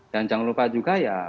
dan jangan lupa juga ya